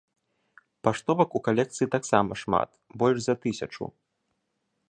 Паштовак у калекцыі таксама шмат, больш за тысячу.